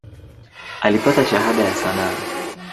Alipata Shahada ya sanaa.